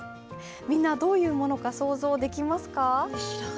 みんなどういうものか想像できますか？